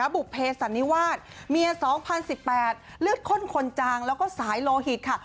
บุภเพสันนิวาสเมีย๒๐๑๘เลือดข้นคนจางแล้วก็สายโลหิตค่ะ